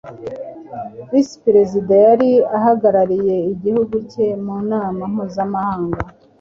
Visi perezida yari ahagarariye igihugu cye mu nama mpuzamahanga